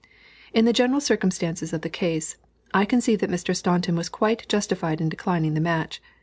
In the general circumstances of the case, I conceive that Mr. Staunton was quite justified in declining the match.